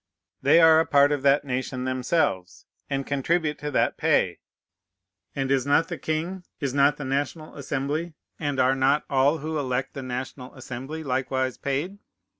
They are a part of that nation themselves, and contribute to that pay. And is not the king, is not the National Assembly, and are not all who elect the National Assembly, likewise paid?